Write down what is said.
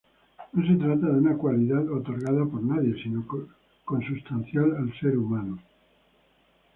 No se trata de una cualidad otorgada por nadie, sino consustancial al ser humano.